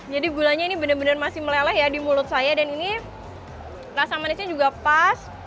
jadi gulanya ini benar benar masih meleleh ya di mulut saya dan ini rasa manisnya juga pas